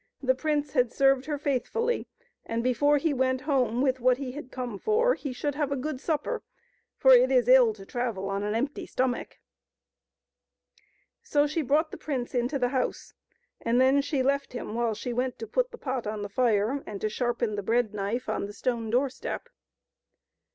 The prince had served her faithfully, and before he went home with what he had come for he should have a good supper, for it is ill to travel on an empty stomach. So she brought the prince into the house, and then she left him while she went to put the pot on the fire, and to sharpen the bread knife on the stone door step.